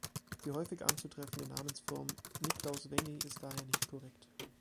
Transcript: Die häufig anzutreffende Namensform "Niklaus Wengi" ist daher nicht korrekt.